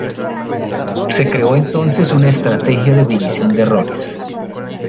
Se creó entonces una estrategia de división de roles.